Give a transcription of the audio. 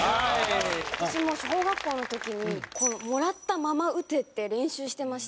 私も小学校の時にもらったまま打てって練習してました。